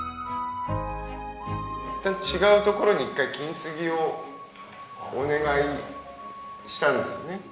いったん違うところに一回金継ぎをお願いしたんですよね。